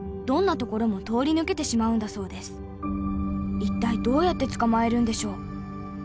一体どうやってつかまえるんでしょう？